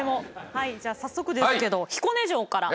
はいじゃあ早速ですけど彦根城から。